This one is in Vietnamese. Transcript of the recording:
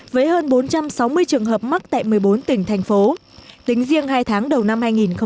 với hơn bốn trăm sáu mươi trường hợp mắc tại một mươi bốn tỉnh thành phố tính riêng hai tháng đầu năm hai nghìn một mươi chín